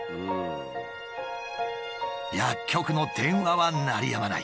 薬局の電話は鳴りやまない。